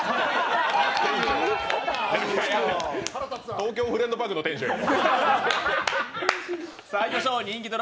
「東京フレンドパークⅡ」のテンションや。